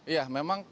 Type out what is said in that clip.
ya memang karena